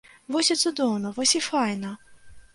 Вось і цудоўна, вось і файна!